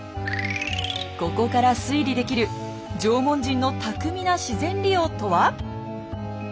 ここから推理できる縄文人の巧みな自然利用とは？